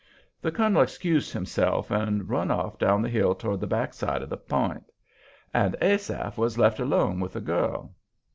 The colonel excused himself, and run off down the hill toward the back side of the point, and Asaph was left alone with the girl.